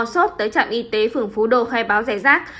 xót tới trạm y tế phường phú đô khai báo rẻ rác